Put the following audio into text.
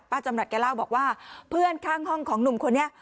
จำหน่ายแกเล่าบอกว่าเพื่อนข้างห้องของหนุ่มคนนี้